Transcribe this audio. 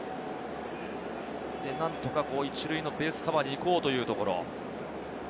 なんとか１塁のベースカバーに行こうというところ。